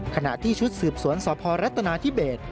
ขณะที่ชุดสืบสวนสพรัฐนาธิเบส